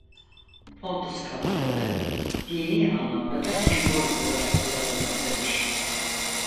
Pontus kartalı dini anlamda da sembol olarak kullanılmaktadır.